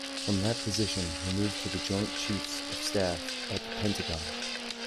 From that position he moved to the Joint Chiefs of Staff at the Pentagon.